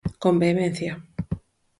Con vehemencia.